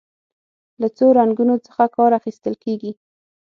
له څو رنګونو څخه کار اخیستل کیږي.